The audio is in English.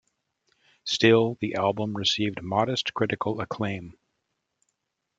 Still, the album received modest critical acclaim.